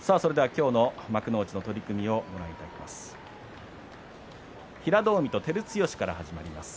今日の幕内の取組をご覧いただきます。